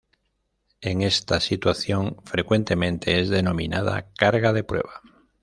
En esta situación frecuentemente es denominada carga de prueba.